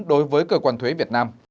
đối với cơ quan thuế việt nam